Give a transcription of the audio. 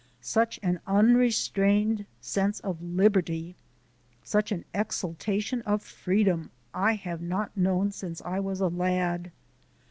Such an unrestrained sense of liberty, such an exaltation of freedom, I have not known since I was a lad.